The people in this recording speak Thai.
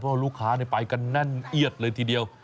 เพราะลูกค้าไปกันแน่นเอียดเลยทีเดียว